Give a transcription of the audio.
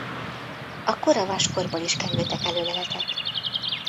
A kora vaskorból is kerültek elő leletek.